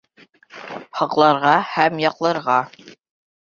Һаҡларға һәм яҡларға.